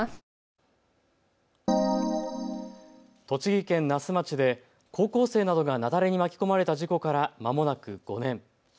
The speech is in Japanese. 栃木県那須町で高校生などが雪崩に巻き込まれた事故からまもなく５年。